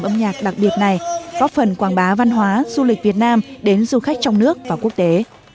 đặc biệt này góp phần quảng bá văn hóa du lịch việt nam đến du khách trong nước và quốc tế